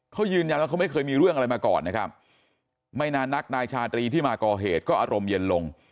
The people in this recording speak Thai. เขายืนยันว่าเขาไม่เคยมีเรื่องอะไรมาก่อนนะครับไม่นานนักนายชาตรีที่มาก่อเหตุก็อารมณ์เย็นลง